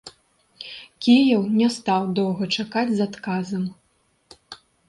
Кіеў не стаў доўга чакаць з адказам.